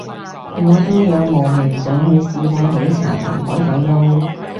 我都有慕名上去試過喜茶同海底撈